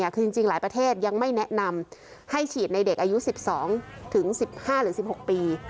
คือจริงหลายประเทศยังไม่แนะนำให้ฉีดในเด็กอายุ๑๒ถึง๑๕หรือ๑๖ปี